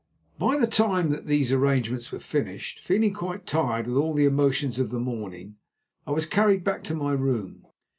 By the time that these arrangements were finished, feeling quite tired with all the emotions of the morning, I was carried back to my room.